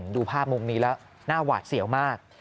ดูภาพมุมนี้แล้วหน้าหวาดเสียวมาก